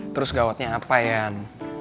terus gawatnya apa yan